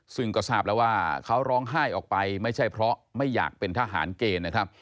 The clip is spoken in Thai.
ซึ่งก็ทราบแล้วว่าเขาร้องไห้ออกไปไม่ใช่เพราะไม่อยากเป็นทหารเกณฑ์นะครับ